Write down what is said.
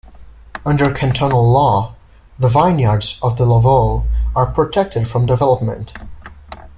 Under cantonal law, the vineyards of the Lavaux are protected from development.